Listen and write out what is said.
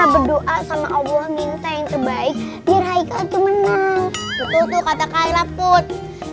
berdoa sama allah minta yang terbaik biar menang